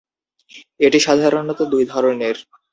এটি সাধারনত দুই ধরনের।